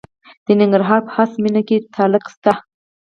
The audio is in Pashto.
د ننګرهار په هسکه مینه کې تالک شته.